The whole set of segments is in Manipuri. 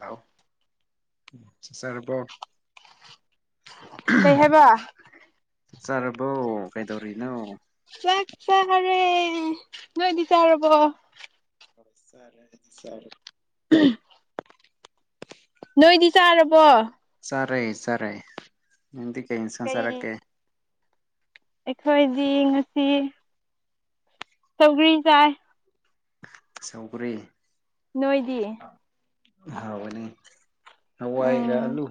ꯍꯂꯣ ꯆꯥꯛ ꯆꯥꯔꯕꯣ ꯀꯩ ꯍꯥꯏꯕ ꯆꯛ ꯆꯥꯔꯕꯣ ꯀꯩꯗꯧꯔꯤꯅꯣ ꯆꯥꯛ ꯆꯥꯔꯦ ꯅꯣꯏꯗꯤ ꯆꯥꯔꯕꯣ ꯍ ꯁꯔꯦ ꯁꯔꯦ ꯎꯝ ꯅꯣꯏꯗꯤ ꯆꯥꯔꯕꯣ ꯆꯥꯔꯦ ꯆꯔꯦ ꯍꯗꯤ ꯀ ꯁ ꯀꯩ ꯆꯥꯔꯀꯦ ꯑꯩꯈꯣꯏꯗꯤ ꯉꯁꯤ ꯇꯧ꯭ꯔꯤ ꯆꯥꯏ ꯁꯧꯒꯔꯤ ꯅꯣꯏꯗꯤ ꯍꯅꯦ ꯍꯋꯥꯏꯒ ꯎꯝ ꯑꯂꯨ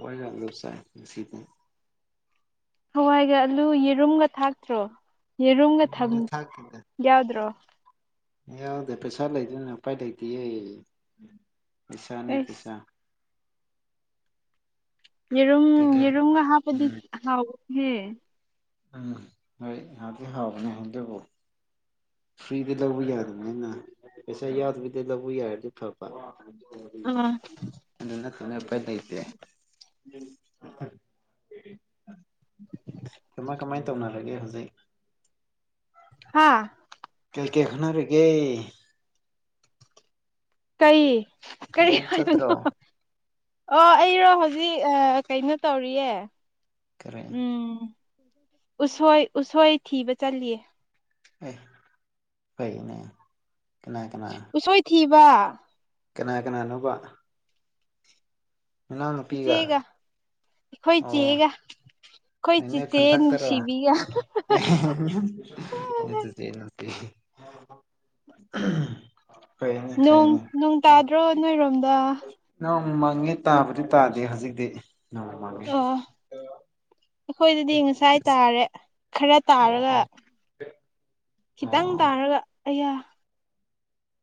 ꯍ ꯌꯥꯗꯕꯁꯥꯏ ꯁꯤꯇ ꯍꯋꯥꯏꯒ ꯑꯂꯨ ꯌꯦꯔꯨꯝꯒ ꯊꯥꯛꯇ꯭ꯔꯣ ꯌꯦꯔꯨꯝꯒ ꯌꯥꯝꯗꯤ ꯊꯥꯛꯇꯦꯗ ꯌꯥꯎꯗ꯭ꯔꯣ ꯌꯥꯎꯗꯦ ꯄꯩꯁꯥ ꯂꯩꯗꯣꯏꯅ ꯎꯄꯥꯏ ꯂꯩꯇꯦꯌꯦ ꯄꯩꯁꯥꯅꯦ ꯄꯩꯁꯥ ꯑꯩꯁ ꯌꯦꯔꯨꯝ ꯀꯩ ꯀꯩ ꯌꯦꯔꯨꯝꯒ ꯍꯥꯞꯄꯗꯤ ꯎꯝ ꯍꯥꯎꯕꯍꯦ ꯎꯝ ꯍꯣꯏ ꯉꯗꯤ ꯍꯥꯎꯕꯅꯦ ꯑꯗꯨꯕꯨ ꯐ꯭ꯔꯤꯗꯤ ꯂꯧꯕ ꯌꯥꯗꯅ ꯑꯩꯅ ꯄꯩꯁꯥ ꯌꯥꯎꯗꯕꯤꯗ ꯂꯧꯕ ꯌꯥꯔꯗꯤ ꯐꯕ ꯑꯥ [unintelligible] ꯑꯗꯨꯅ ꯊ ꯎꯄꯥꯏ ꯂꯩ ꯂꯩꯇꯦ ꯀꯃꯥꯏ ꯀꯃꯥꯏꯅ ꯇꯧꯅꯔꯒꯦ ꯍꯧꯖꯤꯛ ꯍꯥꯥ ꯀ ꯀꯩꯈꯅꯔꯦꯒꯦ ꯀꯩ ꯀꯔꯤ ꯂꯧ ꯍꯥꯏ ꯆꯠꯇ꯭ꯔꯣ ꯑꯣ ꯑꯩꯔꯣ ꯍꯧꯖꯤꯛ ꯀꯩꯅꯣ ꯇꯧꯔꯤꯌꯦ ꯀꯔꯤ ꯎꯝ ꯎꯁꯣꯏ ꯎꯁꯣꯏ ꯊꯤꯕ ꯆꯜꯂꯤꯠ ꯑꯦ ꯐꯩꯅꯦ ꯀꯅꯥ ꯀꯅꯥ ꯊꯕ ꯀꯅꯥ ꯀꯅꯥꯅꯣꯕ ꯃꯅꯥꯎꯅꯨꯄꯤꯒ ꯍꯣꯏ ꯆꯒ ꯑꯅꯦ ꯈꯨꯟꯊꯛꯇꯔꯣꯆ ꯅ ꯍ ꯀꯩꯅꯤ ꯅꯣꯡ ꯀꯥꯏꯅꯤ ꯅꯣꯡ ꯇꯥꯗ꯭ꯔꯣ ꯅꯣꯏꯔꯣꯝꯗ ꯅꯣꯡ ꯃꯥꯡꯉꯦ ꯇꯥꯕꯨꯗꯤ ꯇꯥꯗꯦ ꯍꯧꯖꯤꯛꯇꯤ ꯅꯣꯡꯃ ꯃꯥꯡꯉꯦ ꯑꯣ ꯑꯩꯈꯣꯏꯗꯗꯤ ꯉꯁꯥꯏ ꯇꯔꯦ ꯈꯔ ꯑꯣ ꯇꯥꯔꯒ ꯑꯣ ꯈꯤꯇꯪ ꯑꯣ ꯇꯥꯔꯒ ꯑꯩꯌꯥ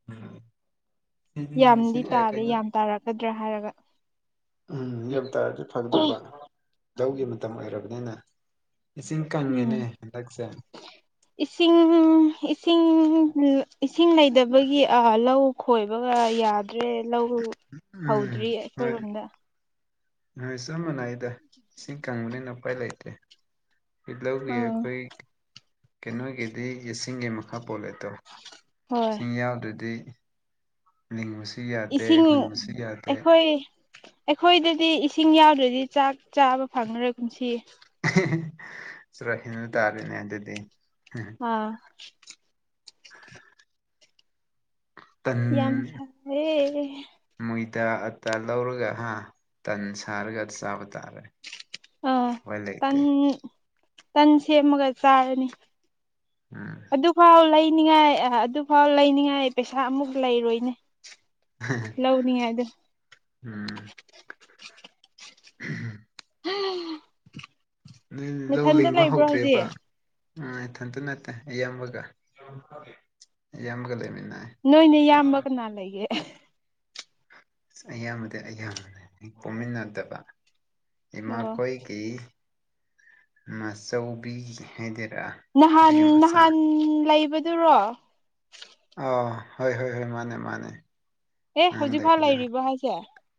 ꯎꯝ ꯁꯤꯗꯤ ꯅꯨꯡꯁꯤ ꯌꯥꯝꯗꯤ ꯑꯦ ꯇꯥꯗꯦ ꯀꯩꯅꯣ ꯌꯥꯝ ꯇꯥꯔꯛꯀꯗ꯭ꯔꯥ ꯍꯥꯏꯔꯒ ꯎꯝ ꯌꯧ ꯇꯥꯔꯗꯤ ꯐꯒꯗꯧꯕ ꯂꯧꯒꯤ ꯃꯇꯝ ꯑꯣꯏꯔꯕꯅꯤꯅ ꯏꯁꯤꯡ ꯎꯝ ꯀꯪꯉꯦꯅꯦ ꯍꯟꯗꯛꯁꯦ ꯏꯁꯤꯡ ꯏꯁꯤꯡ ꯏꯁꯤꯡ ꯂꯩꯇꯕꯒꯤ ꯂꯧ ꯈꯣꯏꯕꯒ ꯌꯥꯗ ꯍꯧꯗ꯭ꯔꯦ ꯂꯧ ꯎꯝ ꯍꯧꯗ꯭ꯔꯤ ꯑꯩꯈꯣꯏꯔꯣꯝꯗ ꯅꯣꯏ ꯆꯃꯅ ꯑꯩꯗ ꯏꯁꯤꯡ ꯀꯪꯕꯅꯤꯅ ꯎꯄꯥꯏ ꯂꯩꯇ꯭ꯔꯦ ꯄꯤꯜꯂꯧꯒꯤ ꯎꯝ ꯑꯩꯈꯣꯏ ꯀꯩꯅꯣꯒꯤꯗꯤ ꯌꯥꯁꯤꯡꯒꯤ ꯃꯈꯥ ꯄꯣꯜꯂꯦ ꯍꯣꯏ ꯁꯤꯡ ꯌꯥꯝꯗ꯭ꯔꯗꯤ ꯂꯤꯡꯕꯁꯨ ꯌꯥꯗꯦ ꯏꯁꯤꯡ ꯍꯨꯟꯕꯁꯨ ꯌꯥꯗꯦ ꯑꯩꯈꯣꯏ ꯑꯩꯈꯣꯏꯗꯗꯤ ꯏꯁꯤꯡ ꯌꯥꯎꯗ꯭ꯔꯗꯤ ꯆꯥꯛ ꯆꯥꯕ ꯐꯪꯅꯔꯦ ꯀꯟꯁꯤꯌꯦ ꯆꯨꯔꯍꯤꯕ ꯇꯥꯔꯦꯅꯦ ꯑꯗꯨꯗꯤ ꯑꯥ ꯌꯥꯝ ꯁꯥꯦ ꯃꯣꯏꯗ ꯑꯇꯥ ꯂꯧꯔꯒ ꯍꯥ ꯇꯟ ꯁꯥꯔꯒ ꯆꯥꯕ ꯇꯥꯔꯦ ꯑꯥ ꯎꯄꯥꯏ ꯇꯟ ꯂꯩꯇꯦ ꯇꯟ ꯁꯦꯝꯃꯒ ꯆꯥꯔꯅꯤ ꯎꯝ ꯐꯥꯎ ꯂꯩꯅꯤꯉꯥꯏ ꯑꯗꯨꯐꯥꯎ ꯂꯩꯅꯤꯉꯥꯏ ꯄꯩꯁꯥ ꯑꯃꯨꯛ ꯂꯩꯔꯣꯏꯅꯦ ꯂꯧꯅꯤꯉꯥꯢꯗꯣ ꯎꯝ ꯍꯝ ꯅꯣꯏ ꯂꯧ ꯂꯤꯡꯕ ꯍꯧꯗ꯭ꯔꯦꯕ? ꯎ ꯏꯊꯟꯇ ꯅꯠꯇꯦ ꯏꯌꯥꯝꯕꯒ ꯏꯌꯥꯝꯕꯒ ꯂꯩꯃꯤꯟꯅꯩ ꯅꯣꯏ ꯅꯌꯥꯝꯏꯕ ꯀꯅꯥ ꯂꯩꯒꯦ ꯑꯁ ꯏꯌꯥꯝꯕꯗꯤ ꯏꯌꯥꯝꯕꯅꯦ ꯑꯩ ꯄꯣꯛꯃꯤꯟꯅꯗꯕ ꯑꯣ ꯏꯃꯥꯈꯣꯏꯒꯤ ꯃꯆꯧꯕꯤ ꯍꯥꯏꯗꯔꯥ ꯅꯍꯥꯟ ꯅꯍꯥꯟ ꯂꯩꯕꯗꯨꯔꯣ? ꯑ ꯍꯣꯏ ꯍꯣꯏ ꯍꯣꯏ ꯃꯥꯅꯦ ꯃꯥꯅꯦ ꯑꯦ ꯍꯧꯖꯤꯛꯐꯥꯎ ꯅꯥꯟꯂꯩꯕꯗꯨ ꯂꯩꯔꯤꯕꯣ ꯍꯥꯏꯁꯦ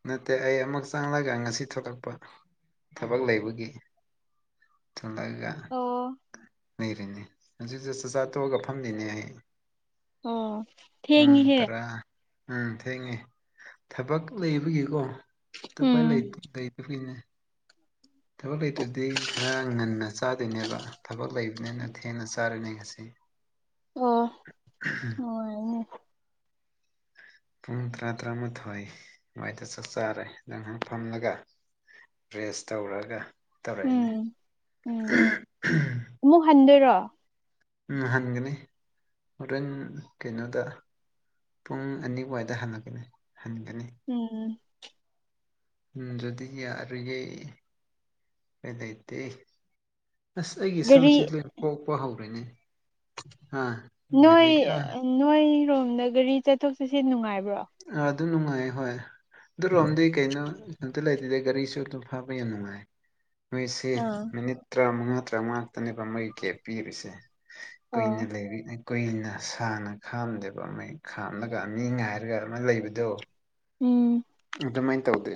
ꯅꯠꯇꯦ ꯑꯩ ꯑꯃꯨꯛ ꯆꯪꯂꯪꯒ ꯉꯁꯤ ꯊꯣꯛꯂꯛꯄ ꯊꯕꯛ ꯂꯩꯕꯒꯤ ꯇꯂꯒ ꯑꯣ ꯂꯩꯔꯤꯅꯦ ꯍꯧꯗ ꯆꯥꯛꯆꯥ ꯇꯣꯛꯑꯒ ꯐꯝꯂꯤꯅꯦ ꯑꯩ ꯑꯣ ꯎꯝ ꯊꯦꯡꯉꯤꯍꯦ ꯇꯔꯥ ꯎꯝ ꯊꯦꯡꯉꯦ ꯊꯕꯛ ꯂꯩꯕꯒꯤꯀꯣ ꯑꯇꯄ ꯎꯝ ꯑꯩꯈꯅꯦ ꯊꯕꯛ ꯂꯩꯇ꯭ꯔꯗꯤ ꯈꯔ ꯉꯟꯅ ꯆꯥꯗꯣꯏꯅꯦꯕ ꯊꯕꯛ ꯂꯩꯕꯅꯤꯅ ꯊꯦꯡꯅ ꯆꯥꯔꯅꯤ ꯉꯁꯤ [inaudible] ꯑꯣ ꯑꯣ ꯄꯨꯡ ꯇꯔꯥ ꯇꯔꯥꯃꯥꯊꯣꯏ ꯑꯗꯨꯋꯥꯏꯗ ꯆꯥꯛ ꯆꯥꯔꯦ ꯅꯪꯍꯥꯛ ꯐꯝꯂꯒ ꯔꯦꯁ ꯇꯧꯔꯒ ꯇꯧꯔꯛꯏꯅꯦ ꯎꯝ ꯎꯝ ꯑꯃꯨꯛ ꯍꯟꯗꯣꯏꯔꯣ ꯎꯝ ꯍꯟꯒꯅꯤ ꯍꯣꯔꯦꯟ ꯀꯩꯅꯣꯗ ꯄꯨꯡ ꯑꯅꯤꯋꯥꯏꯗ ꯍꯜꯂꯛꯀꯅꯤ ꯍꯟꯒꯅꯤ ꯎꯝ ꯎꯝ ꯑꯗꯨꯗꯤ ꯌꯥꯔꫭꯏꯌꯦ ꯀꯩ ꯂꯩꯇꯦ ꯑꯁ ꯑꯩꯒꯤ ꯒꯥꯔꯤ ꯁꯝꯁꯦ ꯂꯣꯏ ꯄꯣꯛꯄ ꯍꯧꯔꯅꯦ ꯅꯣꯏ ꯅꯣꯏꯔꯣꯝꯗ ꯒꯥꯔꯤ ꯆꯠꯊꯣꯛ ꯆꯠꯁꯤꯟ ꯅꯨꯡꯉꯥꯏꯕ꯭ꯔꯣ? ꯥ ꯑꯗꯨ ꯅꯨꯡꯉꯥꯏ ꯍꯣꯏ ꯑꯗꯨꯔꯣꯝꯗꯤ ꯀꯩꯅꯣ ꯑꯝꯇ ꯂꯩꯇꯗꯥ ꯒꯥꯔꯤꯁꯨ ꯑꯗꯨꯝ ꯐꯥꯕ ꯌꯥꯝ ꯅꯨꯡꯉꯥꯏ ꯃꯣꯏꯁꯦ ꯑꯥ ꯃꯤꯅꯤꯠ ꯇꯔꯥꯃꯉꯥ ꯇꯔꯥꯃꯉꯥ ꯉꯥꯛꯇꯅꯦꯕ ꯃꯩ ꯀꯦꯞ ꯄꯤꯔꯤꯁꯦ ꯀꯨꯏꯅ ꯑꯣ ꯂꯩꯔꯤ ꯀꯨꯏꯅ ꯁꯥꯡꯅ ꯈꯥꯝꯗꯦꯕ ꯃꯩ ꯈꯥꯝꯂꯒ ꯃꯤ ꯉꯥꯏꯔꯒ ꯑꯃ ꯂꯩꯕꯗꯣ ꯎꯝ ꯑꯗꯨꯃꯥꯏꯅ ꯇꯧꯗꯦ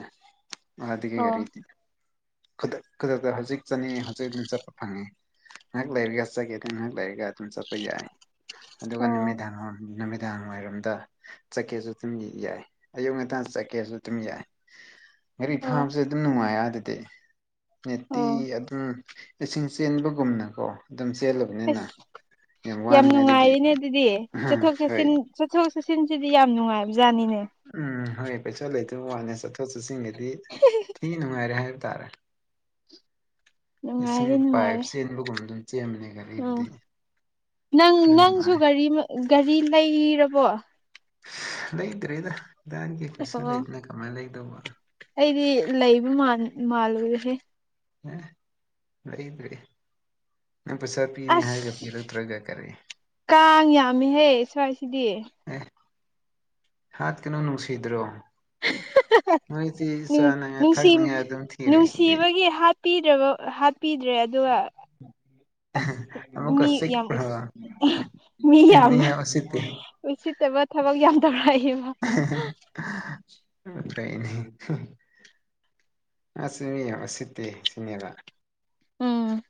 ꯃꯥꯗꯤ ꯑꯣ ꯒꯥꯔꯤꯗꯤ ꯈꯨꯗꯥꯛ ꯈꯨꯗꯥꯛꯇ ꯍꯧꯖꯤꯛ ꯆꯠꯅꯤꯡꯉꯦ ꯍꯧꯖꯤꯛ ꯑꯗꯨꯝ ꯆꯠꯄ ꯐꯪꯉꯦ ꯉꯥꯏꯍꯥꯛ ꯂꯩꯔꯒ ꯆꯠꯒꯦ ꯑꯗꯨ ꯉꯥꯏꯍꯥꯛ ꯂꯩꯔꯒ ꯑꯗꯨꯝ ꯆꯠꯄ ꯌꯥꯏ ꯑꯗꯨꯒ ꯑꯣ ꯅꯨꯃꯤꯗꯥꯡ ꯅꯨꯃꯤꯗꯥꯡ ꯋꯥꯏꯔꯝꯗ ꯆꯠꯀꯦꯁꯨ ꯑꯗꯨꯝ ꯌꯥꯏ ꯑꯌꯨꯛ ꯉꯟꯇꯥ ꯆꯠꯀꯦ ꯀꯦꯁꯨ ꯑꯗꯨꯝ ꯌꯥꯏ ꯒꯥꯔꯤ ꯑꯣ ꯐꯥꯕꯁꯨ ꯑꯗꯨꯝ ꯅꯨꯡꯉꯥꯏ ꯑꯥꯗꯗꯤ ꯅꯦꯠꯇꯤ ꯑꯣ ꯑꯗꯨꯝ ꯏꯁꯤꯡ ꯆꯦꯟꯕꯒꯨꯝꯅꯀꯣ ꯑꯗꯨꯝ ꯆꯦꯜꯂ ꯑꯁ ꯌꯥꯝ ꯅꯨꯡꯉꯥꯏꯔꯤꯅꯦ ꯂꯩꯇꯦ ꯑꯗꯨꯗꯤ ꯆꯠꯊꯣꯛ ꯍꯣꯏ ꯆꯠꯁꯤꯟ ꯆꯠꯊꯣꯛ ꯆꯠꯁꯤꯟꯁꯤꯗꯤ ꯌꯥꯝ ꯅꯨꯡꯉꯥꯏꯕ ꯖꯥꯠꯅꯤꯅꯦ ꯎꯝ ꯍꯣꯏ ꯄꯩꯁꯥ ꯂꯩꯇꯕ ꯋꯥꯅꯤ ꯆꯠꯊꯣꯛ ꯆꯠꯁꯤꯟꯒꯤꯗꯤ ꯊꯤ ꯅꯨꯡꯉꯥꯏꯔꯦ ꯍꯥꯏꯕ ꯇꯥꯔꯦ ꯅꯨꯡꯉꯥꯏꯔꯦ ꯏꯁꯤꯡ ꯄꯥꯏꯞ ꯅꯨꯡꯉꯥꯏꯔꯦ ꯆꯦꯟꯕꯒꯨꯝꯕ ꯑꯗꯨꯝ ꯆꯦꯟꯕꯅꯦ ꯎꯝ ꯒꯥꯔꯤꯗꯨꯗꯤ ꯅꯪ ꯅꯪꯁꯨ ꯒꯥꯔꯤ ꯒꯥꯔꯤ ꯂꯩꯔꯕꯣ? ꯂꯩꯗꯔꯦꯗ ꯗꯥꯒꯤ ꯄꯩꯁꯥ ꯑꯣ ꯂꯩꯗꯅ ꯀꯃꯥꯏꯅ ꯂꯩꯗꯧꯕ ꯑꯩꯗꯤ ꯂꯩꯕ ꯃꯥꯟ ꯃꯥꯜꯂꯨꯔꯦꯍꯦ ꯑꯦ ꯂꯩꯗ꯭ꯔꯔꯤ ꯅꯪ ꯄꯩꯁꯥ ꯄꯤꯅꯤ ꯍꯥꯏꯔꯒ ꯑꯁ ꯄꯤꯔꯛꯇ꯭ꯔꯒ ꯀꯔꯤ ꯀꯥꯡ ꯌꯥꯝꯃꯤꯍꯦ ꯁ꯭ꯋꯥꯏꯁꯤꯗꯤ ꯑꯦ ꯍꯥꯠ ꯀꯩꯅꯣ ꯅꯨꯡꯁꯤꯗ꯭ꯔꯣ ꯃꯣꯏꯗꯤ ꯅꯨꯡ ꯆꯥꯅꯉꯥꯏ ꯅꯨꯡꯁꯤ ꯊꯛꯅꯤꯡꯉꯥꯏ ꯑꯗꯨꯝ ꯊꯤꯔꯤꯁꯤꯗꯤ ꯄꯤꯗ꯭ꯔꯕ ꯍꯥꯞꯄꯤꯗ꯭ꯔꯦ ꯑꯗꯨꯒ ꯑꯁ ꯑꯃꯨꯛꯀ ꯃꯤ ꯌꯥꯝ ꯎꯁꯤꯠ ꯆꯤꯛꯄ꯭ꯔꯣ ꯃꯤ ꯌꯥꯝ ꯎꯁꯤꯠꯇꯕ ꯊꯕꯛ ꯌꯥꯝ ꯇꯧꯔꯛꯌꯦꯕ [unintelligible] [unintelligible] ꯑꯁ ꯃꯤ ꯌꯥꯝ ꯎꯁꯤꯠꯇꯦ ꯁꯤꯅꯦꯕ ꯎꯝ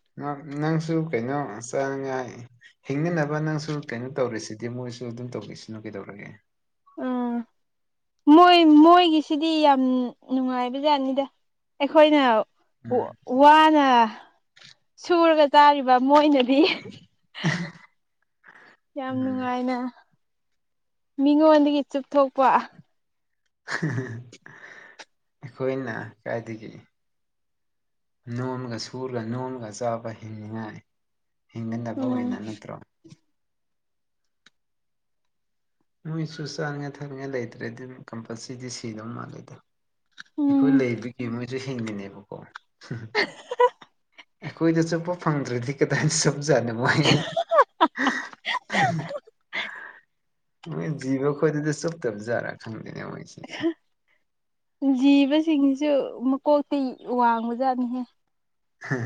ꯅꯪꯁꯨ ꯀꯩꯅꯣ ꯆꯥꯅꯤꯡꯉꯥꯏ ꯍꯤꯡꯅꯅꯕ ꯅꯪꯁꯨ ꯀꯩꯅꯣ ꯇꯧꯔꯤꯁꯤꯗꯤ ꯃꯣꯏꯁꯨ ꯑꯗꯨꯝ ꯇꯧꯒꯤꯁꯅꯨ ꯀꯩꯗꯧꯔꯒꯦ ꯎꯝ [inaudible] ꯃꯣꯏ ꯃꯣꯏꯒꯤꯁꯤꯗꯤ ꯌꯥꯝ ꯅꯨꯡꯉꯥꯏꯕꯖꯠꯅꯤꯗ ꯑꯩꯈꯣꯏꯅ ꯎꯝ ꯋꯥꯅ ꯁꯨꯔꯒ ꯇꯥꯔꯤꯕ ꯃꯣꯏꯅꯗꯤ [unintelligible] ꯌꯥꯝ ꯎꯝ ꯅꯨꯡꯉꯥꯏꯅ ꯃꯤꯉꯣꯟꯗꯒꯤ ꯆꯨꯞꯊꯣꯛꯄ ꯑꯩꯈꯣꯏꯅ ꯀꯥꯏꯗꯒꯤ ꯅꯣꯝꯒ ꯁꯨꯔꯒ ꯅꯣꯝꯃꯒ ꯆꯥꯕ ꯍꯤꯡꯅꯤꯡꯉꯥꯏ ꯍꯤꯡꯅꯟꯕ ꯎꯝ ꯑꯣꯏꯅ ꯅꯠꯇ꯭ꯔꯣ ꯃꯣꯏꯁꯨ ꯆꯥꯉꯥꯏ ꯊꯛꯅꯤꯡꯉ ꯂꯩꯇ꯭ꯔꯦꯗꯤ ꯗꯨꯝ ꯀꯝꯄꯜꯁꯔꯤꯗꯤ ꯁꯤꯗꯧ ꯃꯥꯜꯂꯦꯗ ꯑꯩꯈꯣꯏ ꯎꯝ ꯂꯩꯕꯒꯤ ꯃꯣꯏꯁꯨ ꯍꯤꯡꯉꯤꯅꯦꯕꯀꯣ ꯑꯩꯈꯣꯏꯗ ꯆꯨꯞꯄ ꯐꯪꯗ꯭ꯔꯗꯤ ꯀꯗꯥꯏꯗ ꯆꯨꯞꯖꯠꯅꫭ ꯃꫭꯏ ꯃꯣꯏ ꯖꯤꯕ ꯈꫭꯏꯗꯗꯤ ꯆꯨꯞꯇꯕ ꯖꯥꯠꯔ ꯈꯪꯗꯦꯅꯦ ꯃꯣꯏꯁꯤ ꯖꯤꯕꯁꯤꯡꯁꯤꯁꯨ ꯃꯀꯣꯛꯇꯤ ꯋꯥꯡꯕꯖꯥꯠꯅꯤꯍꯦ ꯍ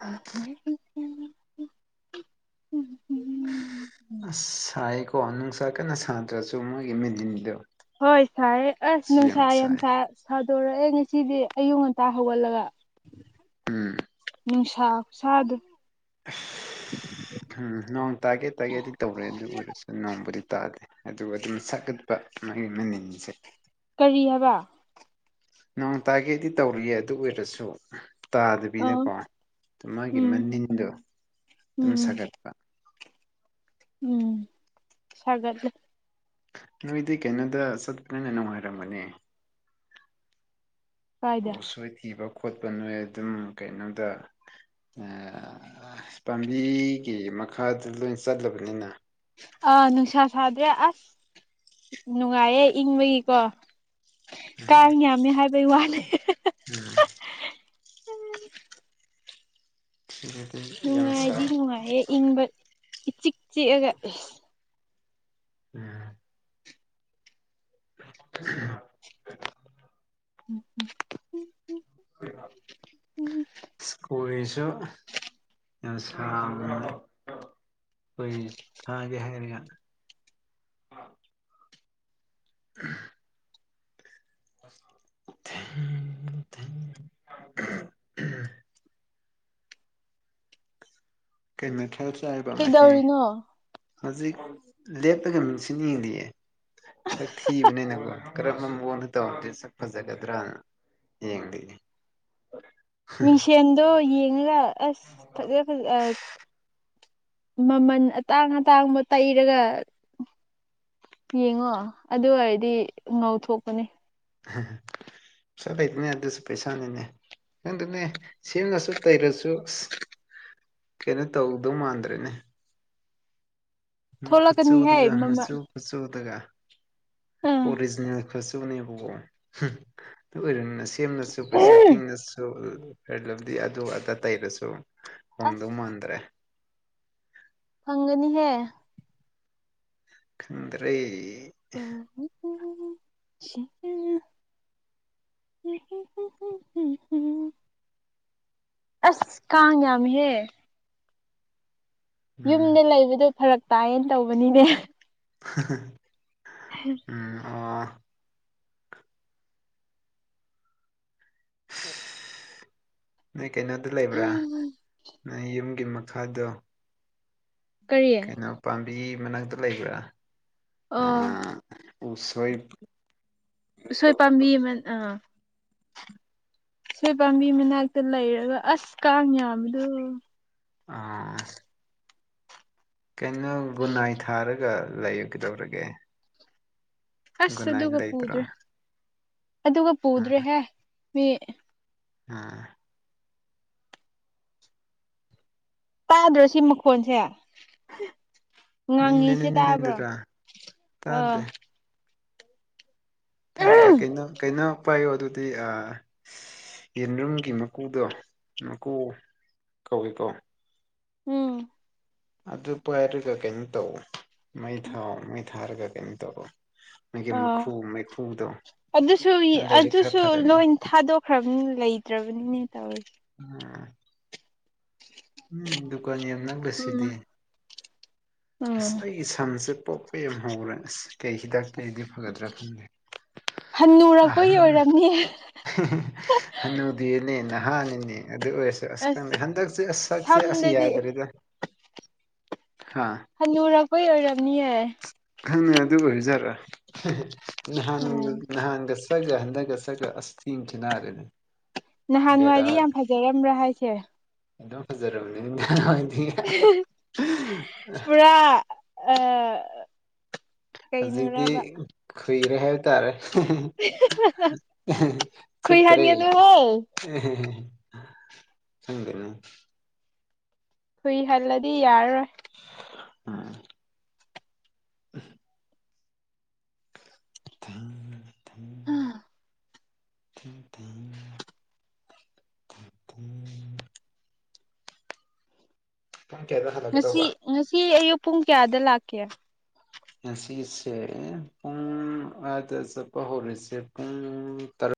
ꯎ ꯎꯝ ꯎꯝ ꯑꯁ ꯁꯥꯏꯌꯦꯀꯣ ꯅꯨꯡꯁꯥ ꯀꯟꯅ ꯁꯥꯗ꯭ꯔꯁꯨ ꯃꯣꯏꯒꯤ ꯃꯦꯅꯤꯟꯗꯣ ꯍꯣꯏ ꯁꯥꯏꯦ ꯑꯁ ꯁꯤ ꯅꯅꯨꯡꯁꯥꯏ ꯌꯥꯝ ꯁꯥꯏ ꯁꯥ ꯁꯥꯗꯣꯔꯛꯑꯦ ꯉꯁꯤꯗꯤ ꯑꯌꯨꯛ ꯉꯟꯇꯥ ꯍꯧꯒꯠꯂꯒ ꯎꯝ ꯅꯨꯡꯁꯥ ꯁꯥꯗ ꯎꯝ ꯅꯣꯡ ꯇꯥꯒꯦ ꯇꯥꯒꯦꯗꯤ ꯇꯧꯔꯦ ꯑꯗꯨ ꯑꯣꯏꯔꯁꯨ ꯅꯣꯡꯕꯨꯗꯤ ꯇꯥꯗꯦ ꯑꯗꯨ ꯑꯗꯨꯝ ꯁꯛꯒꯠꯄ ꯃꯥꯒꯤ ꯃꯅꯤꯟꯁꯦ ꯀꯔꯤ ꯍꯥꯏꯕ ꯅꯣꯡ ꯇꯥꯒꯦꯗꯤ ꯇꯧꯔꯤꯌꯦ ꯑꯗꯨ ꯑꯣꯏꯔꯁꯨ ꯑꯥ ꯇꯥꯗꯕꯤꯗꯀꯣ ꯃꯥꯒꯤ ꯎꯝ ꯃꯅꯤꯟꯗꯣ ꯑꯗꯨꯝ ꯎꯝ ꯁꯥꯒꯠ ꯎꯝ ꯁꯥꯒꯠꯂꯦ ꯅꯣꯏꯗꯤ ꯀꯦꯩꯅꯣꯗ ꯆꯠꯄ꯭ꯔꯅ ꯅꯨꯡꯉꯥꯏꯔꯝꯕꯅꯦ ꯎ ꯀꯥꯏꯗ ꯎꯁꯣꯏ ꯊꯤꯕ ꯈꯣꯠꯄ ꯅꯣꯏ ꯑꯗꯨꯝ ꯀꯩꯅꯣꯗ ꯄꯥꯝꯕꯤꯒꯤ ꯃꯈꯥꯗ ꯂꯣꯏ ꯆꯠꯂꯕꯅꯤꯅ ꯑꯥ ꯅꯨꯡꯁꯥ ꯁꯥꯗ꯭ꯔꯦ ꯑꯁ ꯅꯨꯡꯉꯥꯏꯌꯦ ꯏꯪꯕꯒꯤꯀꯣ ꯀꯥꯡ ꯌꯥꯝꯃꯦ ꯍꯥꯏꯕꯩ ꯋꯥꯅꯦ ꯎꯝ ꯎꯝ ꯅꯨꯡꯉꯥꯏꯗꯤ ꯅꯨꯡꯉꯥꯏꯌꯦꯦ ꯏꯪꯕ ꯏꯆꯤꯛ ꯆꯤꯛꯑꯒ ꯎꯝ [inaudible] ꯎꯝ ꯎꯝ ꯍ ꯁꯀꯨꯁꯨꯁꯨ ꯍꯣꯢ ꯊꯥꯒꯦ ꯍꯥꯏꯔꯒ [unintelligible] ꯎ [unintelligible] ꯑꯁ [unintelligible] ꯊ [unintelligible] ꯀꯩ ꯃꯊꯦꯜ ꯆꯥꯢꯕ ꯉꯁꯤ ꯀꯩꯗꯧꯔꯤꯅꯣ ꯍꯧꯖꯤꯛ ꯂꯦꯞꯇꯒ ꯃꯤꯁꯤꯟ ꯌꯦꯡꯂꯤꯌꯦ ꯁꯛ ꯊꯤꯕꯅꯤꯅꯀꯣ ꯀꯔꯝꯕ ꯃꯑꯣꯡꯗ ꯇꯧꯔꯗꯤ ꯁꯛ ꯐꯖꯒꯗ꯭ꯔꯅ ꯌꯦꯡꯗꯦ ꯃꯤꯡꯁꯦꯟꯗꯣ ꯌꯦꯡꯉꯒ ꯑꯁ ꯐꯖ ꯐꯖ ꯃꯃꯜ ꯑꯇꯥꯡ ꯑꯇꯥꯡꯕ ꯇꯩꯔꯒ ꯌꯦꯡꯉꯣ ꯑꯗꯨ ꯑꯣꯏꯔꯗꯤ ꯉꯧ ꯊꯣꯛꯄꯅꯦ ꯆꯂ ꯏꯗꯅꯦ ꯑꯗꯨ ꯑꯗꯨꯁꯨ ꯄꯩꯁꯥꯅꯤꯅꯦ [unintelligible] ꯑꯗꯨꯅꯦ ꯁꯦꯝꯅꯁꯨ ꯇꯩꯔꯁꯨ ꯑꯁ [unintelligible] ꯀꯩꯅꯣ ꯇꯧꯗꯧ ꯃꯥꯟꯗ꯭ꯔꯦꯅꯦ ꯊꯣꯛꯂꯛꯀꯅꯤꯍꯦ ꯈꯨꯠꯆꯨꯗꯒ ꯃꯃꯜ ꯍꯁꯨ ꯈꯨꯠꯆ ꯎꯗꯒ [unintelligible] ꯑꯥ ꯑꯣꯔꯤꯖꯤꯅꯦꯜ ꯀꯨꯆꯨꯅꯦꯕꯣ ꯑꯣꯏꯔꯅ ꯁꯤ [unintelligible] ꯁꯦꯝꯂꯁꯨ ꯄꯩꯁꯥ ꯇꯤꯡꯉꯁꯨ ꯐꯦꯔ ꯂꯚꯂꯤ ꯑꯗꯨ ꯑꯗꯥ ꯇꯩꯔꯁꯨ ꯍꯣꯡꯗꯧ ꯑꯁ ꯃꯥꯟꯗ꯭ꯔꯦ ꯐꯪꯒꯅꯤꯍꯦ ꯈꯟꯗ꯭ꯔꯦ ꯀ [unintelligible] ꯑꯁ ꯀꯥꯡ ꯌꯥꯝꯃꯤꯍꯦ ꯎꯝ ꯌꯨꯝꯗ ꯂꯩꯕꯗꯣ ꯐꯔꯛ ꯇꯥꯏꯌꯦ ꯇꯧꯕꯅꯤꯅꯦ ꯎꯝ ꯑꯣ ꯅꯣꯏ ꯀꯩꯅꯣꯗꯣ ꯂꯩꯕ꯭ꯔꯥ ꯅꯣꯏ ꯌꯨꯝꯒꯤ ꯃꯈꯥꯗꯣ ꯀꯔꯤ ꯀꯩꯅꯣ ꯄꯥꯝꯕꯤ ꯃꯅꯥꯛꯇ ꯂꯩꯕ꯭ꯔꯥ ꯑꯥ ꯎꯁꯣꯏ ꯎꯁꯣꯏ ꯄꯥꯝꯕꯤ ꯑꯃ ꯑꯥ ꯎꯁꯣꯏ ꯄꯥꯝꯕꯤ ꯃꯅꯥꯛꯇ ꯂꯩꯔꯒ ꯑꯁ ꯀꯥꯡ ꯌꯥꯝꯕꯗꯣ ꯑꯥ [inaudible] ꯀꯩꯅꯣ ꯒꯨꯗ ꯅꯥꯏꯠ ꯊꯥꯔꯒ ꯂꯩꯌꯨ ꯀꯩꯗꯧꯔꯒꯦ ꯑꯁ ꯒꯨꯟꯅꯥꯏ ꯑꯗꯨꯒ ꯂꯩꯇ꯭ꯔꯣ ꯄꯨꯗ꯭ꯔꯦ ꯑꯗꯨꯒ ꯄꯨꯗ꯭ꯔꯦꯍꯦ ꯃꯤ ꯎꯝ ꯇꯥꯗ꯭ꯔꯣ ꯁꯤ ꯃꯈꯣꯟꯁꯦ ꯉꯪꯉꯤꯁꯦ ꯇꯥꯕ꯭ꯔꯣ ꯎꯝꯗꯨꯔꯥ ꯑꯥ ꯇꯥꯗꯦ ꯇꯥꯗꯦ ꯀꯩꯅꯣ ꯀꯩꯅꯣꯝ ꯄꯥꯏꯌꯣ ꯑꯗꯨꯗꯤ ꯑꯥ ꯌꯦꯟꯔꯨꯝꯒꯤ ꯃꯀꯨꯗꯣ ꯃꯀꯨ ꯀꯧꯏꯀꯣ ꯎꯝ ꯑꯗꯨ ꯄꯥꯏꯔꯒ ꯀꯩꯅꯣ ꯇꯧꯑꯣ ꯃꯩ ꯊꯥꯎ ꯃꯩ ꯊꯥꯔꯒ ꯀꯩꯅꯣ ꯇꯧꯔꯣ ꯃꯒꯤ ꯑꯥ ꯃꯩꯈꯨ ꯃꯩꯈꯨꯗꯣ ꯑꯗꯨꯁꯨ ꯑꯗꯩꯗꯤ ꯈꯔ ꯑꯗꯨꯁꯨ ꯐꯔꯅꯤ ꯂꯣꯏ [inaudible] ꯊꯥꯗꯣꯛꯈ꯭ꯔꯕꯅꯤꯅ ꯂꯩꯇ꯭ꯔꯕꯅꯤꯅꯦ ꯇꯧꯔꯤꯁꯦ ꯎꯝ ꯎꯝ ꯗꯨꯀꯥꯟ ꯌꯥꯝ ꯎꯝ ꯅꯛꯂꯁꯤꯗꯤ ꯎꯝ ꯑꯁ ꯑꯩꯒꯤ ꯁꯝꯁꯦ ꯄꯣꯛ ꯌꯥꯝ ꯍꯧꯔꯦ ꯑꯁ ꯀꯩ ꯍꯤꯗꯥꯛ ꯇꯩꯔꯗꯤ ꯐꯒꯗ꯭ꯔꯥ ꯈꯪꯗꯦ ꯍꯟꯅꯨꯔꯛꯄꯒꯤ ꯑꯍꯟ ꯑꯣꯏꯔꯝꯅꯤ ꯍꯅꯨꯗꯦꯅꯦ ꯅꯍꯥꯅꯤꯅꯦ ꯑꯗꯨ ꯑꯣꯏꯔꯁꯨ ꯑꯁ ꯈꯪꯗꯦ ꯍꯟꯗꯛꯁꯦ ꯁꯛꯁꯦ ꯑꯁ ꯁꯝꯗꯗꯤ ꯌꯥꯗ꯭ꯔꯦꯗ ꯍꯥ ꯍꯅꯨꯔꯛꯄꯩ ꯑꯣꯏꯔꯝꯅꯤꯌꯦ ꯈꯪꯗꯦ ꯑꯗꯨ ꯑꯣꯏꯔ ꯖꯥꯠꯂ ꯅꯍꯥꯟ ꯎꯝ ꯅꯍꯥꯟꯒ ꯁ ꯍꯟꯒ ꯁ ꯑꯁꯊꯤ ꯀꯅꯔꯅ [unintelligible] ꯅꯍꯥꯟꯋꯥꯋꯥꯏꯗꯤ ꯌꯥꯝ ꯐꯖꯔꯝꯕ꯭ꯔꯥ ꯍꯥꯏꯁꯦ ꯑꯗꯨꯝ ꯐꯖꯔꯕꯅꯦ ꯄꯨꯔꯥ ꯑ ꯍꯧꯖꯤꯛꯇꯤ ꯀꯨꯏꯔꯦ ꯍꯥꯏꯕ ꯇꯥꯔꯦ ꯁꯤꯠꯇ꯭ꯔꯦ ꯈꯨꯏꯍꯟꯒꯅꯨ ꯍꯦ ꯈꯪꯗꯦꯅꯦ ꯀꯨꯏꯍꯜꯂꯗꯤ ꯌꯥꯔꯔꯣꯏ ꯑ ꯊꯦꯡ ꯊꯦꯡ ꯊꯦꯡ ꯄꯨꯡ ꯄꯨꯏ ꯀꯌꯥꯗ ꯉꯁꯤ ꯍꯜꯂꯀꯗꯧꯕ ꯉꯁꯤ ꯑꯌꯨꯛ ꯄꯨꯡ ꯀꯌꯥꯗ ꯂꯥꯛꯀꯦ ꯁꯤꯁꯦ ꯄꯨꯡ ꯑꯗ ꯆꯠꯄ ꯍꯧꯔꯤꯁꯦ ꯄꯨꯡ ꯇꯔꯛ